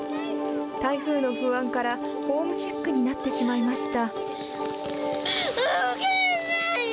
台風の不安からホームシックになってしまいました。